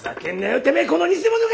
てめえこの偽者が！